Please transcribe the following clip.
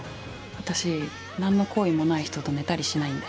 私、何の好意もない人と寝たりしないんで。